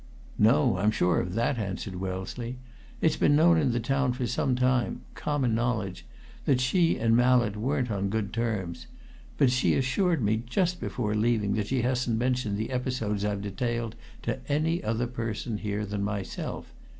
"No, I'm sure of that," answered Wellesley. "It's been known in the town for some time common knowledge that she and Mallett weren't on good terms, but she assured me just before leaving that she hasn't mentioned the episodes I've detailed to any other person here than myself.